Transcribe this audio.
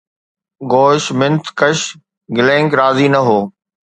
گوش منٿ ڪُش گلبنگ راضي نه هو